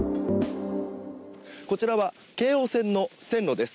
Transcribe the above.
こちらは京王線の線路です。